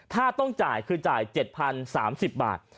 ถ้าต้องจ่ายคือจ่าย๗๐๓๐บาท